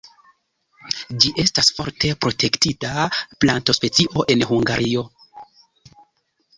Ĝi estas forte protektita plantospecio en Hungario.